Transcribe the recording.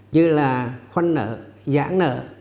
như là khoản nợ giãn nợ